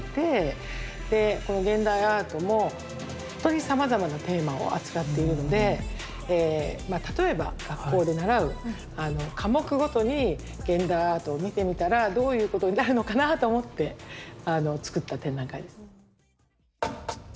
でこの現代アートもほんとにさまざまなテーマを扱っているのでまあ例えば学校で習う科目ごとに現代アートを見てみたらどういうことになるのかなと思ってあのつくった展覧会です。